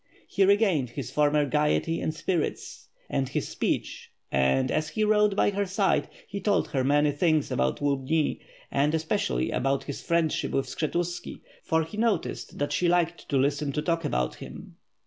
He regained his former gayety and spirits, and his speech, and as he rode by her side, he told her many things about Lubni, and espe cially about his friendship with Skshetuski, for he noticed that she liked to listen to talk about him.